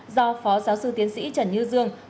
do phó giáo sư tiến sĩ trần như dương